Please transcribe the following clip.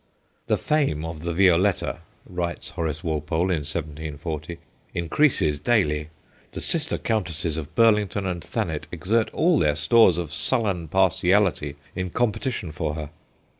'The fame of the Violetta,' writes Horace Walpole in 1740, 'increases daily; the sister countesses of Burlington and Thanet exert all their stores of sullen partiality in competition for her.'